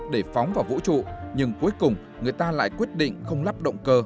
để phóng vào vũ trụ nhưng cuối cùng người ta lại quyết định không lắp động cơ